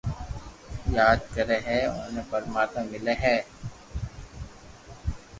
ياد ڪري ھي اوني پرماتما ملي ھي